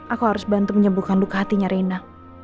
aku harus bantu menyembuhkan luka hatinya reina